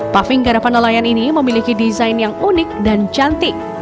paving garapan nelayan ini memiliki desain yang unik dan cantik